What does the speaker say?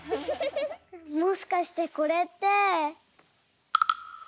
もしかしてこれって。